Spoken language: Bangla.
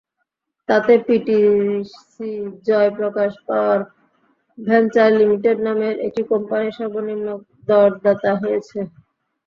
তাতে PTC Jaiprakash power venture limited নামের একটি কোম্পানি সর্বনিম্ন দরদাতা হয়েছে।